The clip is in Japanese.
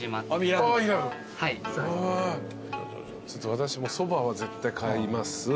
私そばは絶対買います。